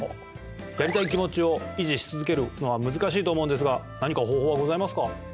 やりたい気持ちを維持し続けるのは難しいと思うんですが何か方法はございますか？